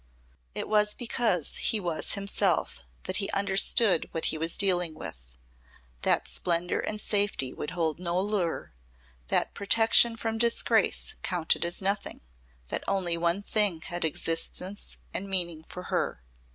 It was because he was himself that he understood what he was dealing with that splendour and safety would hold no lure, that protection from disgrace counted as nothing, that only one thing had existence and meaning for her.